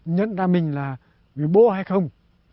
nhận ra mình là người bố hay không